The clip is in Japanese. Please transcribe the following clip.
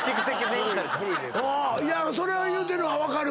それは言うてるのは分かる。